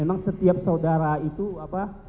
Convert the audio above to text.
memang setiap saudara itu apa